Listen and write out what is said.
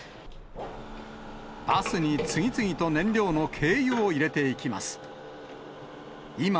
バスに次々と燃料の軽油を入れていきます。